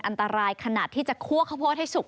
อันตรายขนาดที่จะคั่วข้าวโพดให้สุก